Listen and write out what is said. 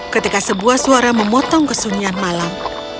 ketika sebuah suara memotong kesunyian malam